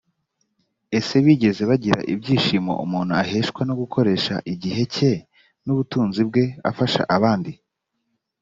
ese bigeze bagira ibyishimo umuntu aheshwa no gukoresha igihe cye n ubutunzi bwe afasha abandi